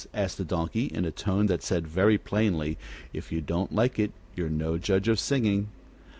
asked the Donkey, in a tone that said very plainly: "If you don't like it you're no judge of singing."